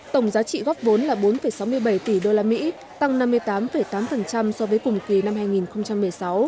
tổng giá trị góp vốn là bốn sáu mươi bảy tỷ đô la mỹ tăng năm mươi tám tám so với cùng kỳ năm hai nghìn một mươi sáu